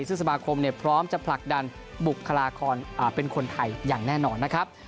ซึ่งสมาคมพร้อมจะผลักดันบุคลากรเป็นคนไทยอย่างแน่นอนนะครับ